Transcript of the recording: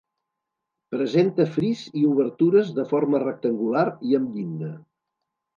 Presenta fris i obertures de forma rectangular i amb llinda.